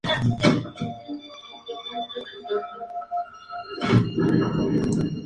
A su lado cuenta con un pequeño jardín.